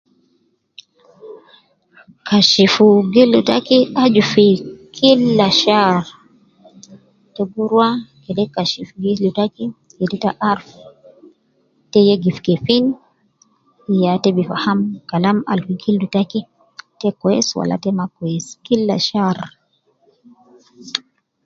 Kashifu gildu taki aju fi kila shar, ta gi rua kede kashif gildu taki kede ita aruf te yegif kefin, ya te fam Kalam al fi gildu to taki te kwesi Wala ta ma kwesi kila shar